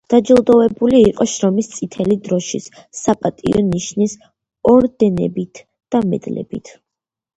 დაჯილდოვებული იყო შრომის წითელი დროშის, „საპატიო ნიშნის“ ორდენებით და მედლებით.